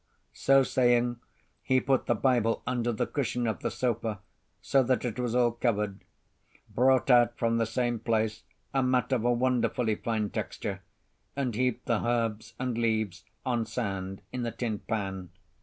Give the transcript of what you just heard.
So saying, he put the bible under the cushion of the sofa so that it was all covered, brought out from the same place a mat of a wonderfully fine texture, and heaped the herbs and leaves on sand in a tin pan.